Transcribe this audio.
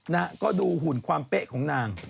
นะก็ดูหุ่นความเป๊ะของนาง